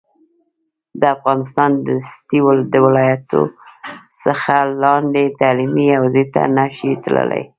افغانستان دستي د ولایت څخه لاندې تعلیمي حوزې ته نه شي تللی